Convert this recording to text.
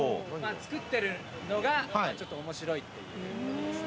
作ってるのが、ちょっとおもしろいっていうやつですね。